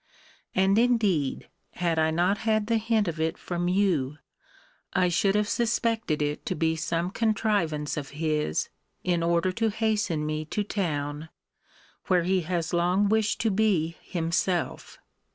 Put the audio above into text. And indeed, had I not had the hint of it from you, I should have suspected it to be some contrivance of his, in order to hasten me to town, where he has long wished to be himself.